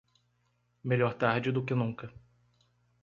Melhor tarde do que nunca.